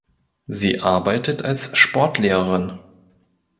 Sie arbeitet als Sportlehrerin.